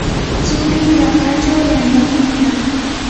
tsurii raqrachaw yantakuykan.